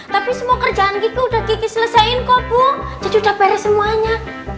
tapi semua kerjaan kiki udah kiki selesain kok bu jadi udah beres semuanya